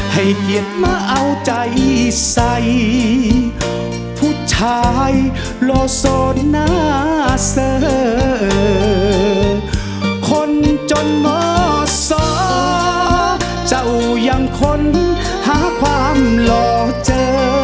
ให้เกียรติมาเอาใจใส่ผู้ชายโลโซน่าเซอร์คนจนมสอเจ้ายังค้นหาความหล่อเจอ